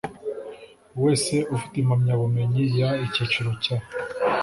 Wese ufite impamyabumenyi y icyiciro cya